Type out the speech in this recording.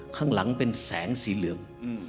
ข้างหลังเป็นแสงสีเหลือง